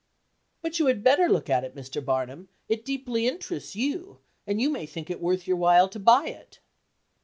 "But you had better look at it, Mr. Barnum; it deeply interests you, and you may think it worth your while to buy it."